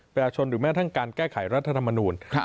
หรือแม้ทั้งการแก้ไขรัฐธรรมนูล